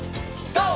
ＧＯ！